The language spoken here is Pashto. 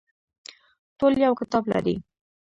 ټول یو کتاب لري